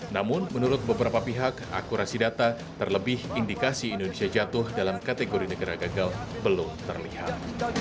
namun menurut beberapa pihak akurasi data terlebih indikasi indonesia jatuh dalam kategori negara gagal belum terlihat